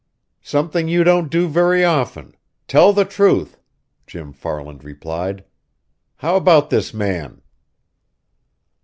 "Something you don't do very often tell the truth," Jim Farland replied. "How about this man?"